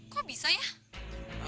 kok bisa ya